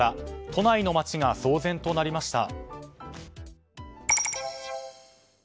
都内の街が騒然となりました。